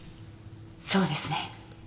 そうですね。